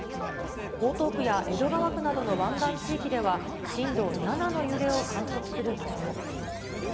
江東区や江戸川区などの湾岸地域では、震度７の揺れを観測する場所も。